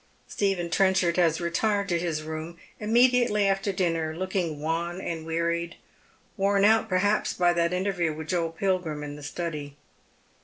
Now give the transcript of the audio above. Stephen Trenchard has retired to his room immediately after dinner, looking wan and wearied, worn out perhaps by that interview with Joel PilgTim in the study.